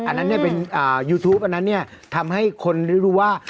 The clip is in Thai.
อันนั้นเป็นยูทูปอันนั้นเนี่ยทำให้คนได้รู้ว่า